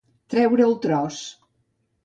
Treure el tros.